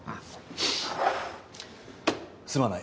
すまない。